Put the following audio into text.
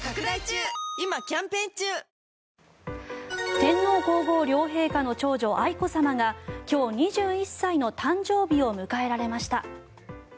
天皇・皇后両陛下の長女愛子さまが今日、２１歳の誕生日を迎えられました。